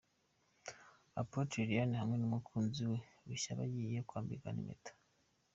Apotre Liliane hamwe n'umukunzi we mushya bagiye kwambikana impeta.